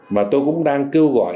mà tôi cũng đang kêu gọi